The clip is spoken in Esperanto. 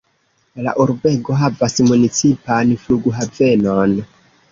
La urbego havas municipan flughavenon.